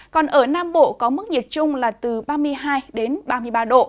còn ở nam bộ có mức nhiệt trung là từ ba mươi hai đến ba mươi ba độ